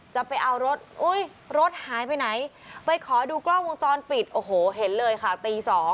จะเอารถอุ้ยรถรถหายไปไหนไปขอดูกล้องวงจรปิดโอ้โหเห็นเลยค่ะตี๒